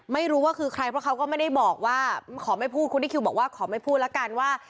ไม่รู้ว่าคือใครเพราะเขาก็ไม่ได้บอกว่าขอไม่พูดคุณที่คิวบอกว่าขอไม่พูดแล้วกันว่า